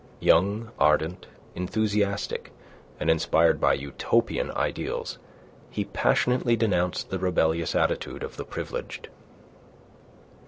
Young, ardent, enthusiastic, and inspired by Utopian ideals, he passionately denounced the rebellious attitude of the privileged.